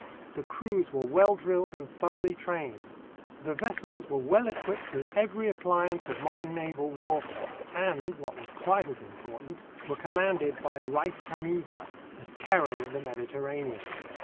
The crews were well drilled and thoroughly trained. The vessels were well equipped with every appliance of modern naval warfare and, what was quite as important, were commanded by Rais Hammida, the terror of the Mediterranean.